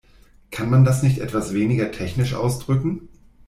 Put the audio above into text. Kann man das nicht etwas weniger technisch ausdrücken?